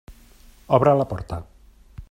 Obre la porta!